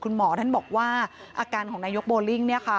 คุณหมอบอกว่าอาการของนายกโบลิ่ง